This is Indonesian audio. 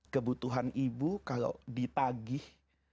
kebutuhan ibu kalau ditagih